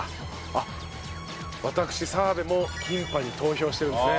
あっ私澤部もキンパに投票してるんですね。